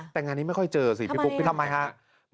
แต่งานนี้ไม่ค่อยเจอสิพี่ปุ๊กไปทำไมครับ